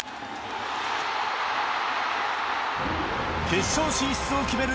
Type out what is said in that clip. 決勝進出を決める